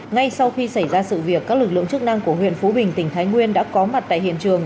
ngay sau khi xảy ra sự việc các lực lượng chức năng của huyện phú bình tỉnh thái nguyên đã có mặt tại hiện trường